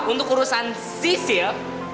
untuk urusan sisil